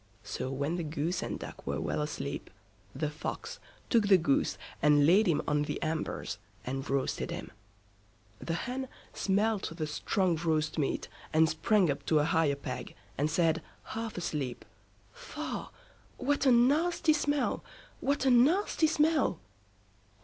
So when the Goose and Duck were well asleep, the Fox, took the Goose and laid him on the embers, and roasted him. The Hen smelt the strong roast meat, and sprang up to a higher peg, and said, half asleep: Faugh, what a nasty smell! What a nasty smell!